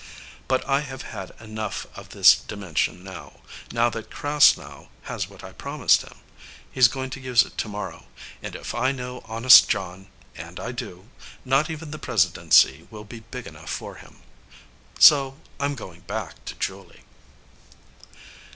But I have had enough of this dimension now now that Krasnow has what I promised him. He's going to use it tomorrow. And if I know Honest John and I do not even the Presidency will be big enough for him. So I'm going back to Julie.